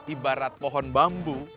ibarat pohon bambu